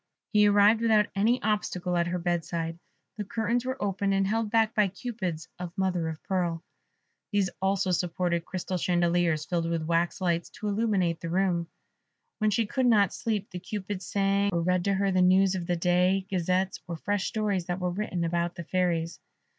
He arrived without any obstacle at her bed side; the curtains were open, and held back by Cupids of mother of pearl; these also supported crystal chandeliers filled with wax lights, to illumine the room. When she could not sleep the Cupids sang, or read to her the news of the day, Gazettes, or fresh stories that were written about the Fairies.